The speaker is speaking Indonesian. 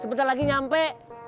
sebentar lagi nyampe